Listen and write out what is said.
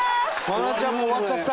愛菜ちゃんも終わっちゃった。